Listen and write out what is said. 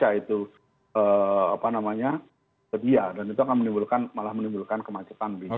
kalau di baca itu sedia dan itu akan menimbulkan malah menimbulkan kemacetan bisnis